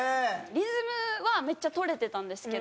リズムはめっちゃ取れてたんですけど。